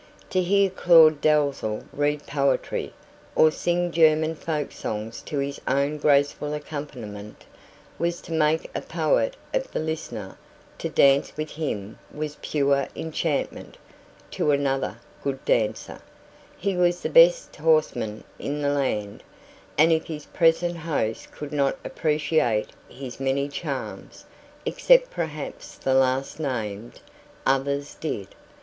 To hear Claud Dalzell read poetry, or sing German folk songs to his own graceful accompaniment, was to make a poet of the listener; to dance with him was pure enchantment (to another good dancer); he was the best horseman in the land; and if his present host could not appreciate his many charms except perhaps the last named others did.